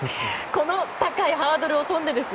この高いハードルを跳んでです。